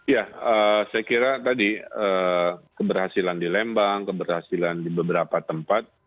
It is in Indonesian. ya saya kira tadi keberhasilan di lembang keberhasilan di beberapa tempat